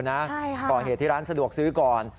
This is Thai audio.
ใช่ค่ะก่อเหตุที่ร้านสะดวกซื้อก่อน